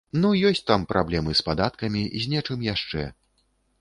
Ну ёсць там праблемы з падаткамі, з нечым яшчэ.